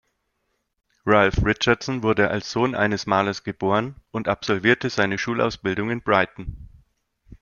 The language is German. Ralph Richardson wurde als Sohn eines Malers geboren und absolvierte seine Schulausbildung in Brighton.